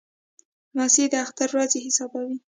لمسی د اختر ورځې حسابوي.